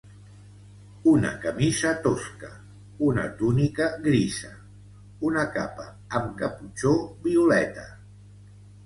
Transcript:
Una camisa tosca, una túnica grisa, una capa amb caputxó violeta.